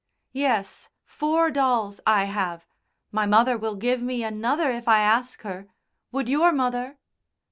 "Yes four dolls I have. My mother will give me another if I ask her. Would your mother?"